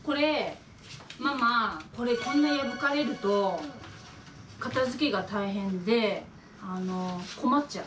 ママこれこんな破かれると片づけが大変で困っちゃう。